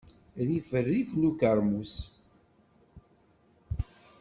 Rrif rrif n ukeṛmus.